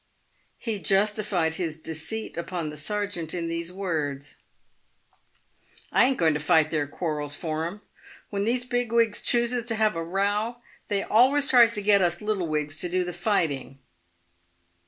He justified his deceit upon the sergeant in these words :" I ain't going to fight their quarrels for 'em. When these big wigs chooses to have a row, they alwers tries to get us little wigs to do the fighting."